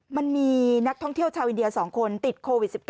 มันมีนักท่องเที่ยวชาวอินเดีย๒คนติดโควิด๑๙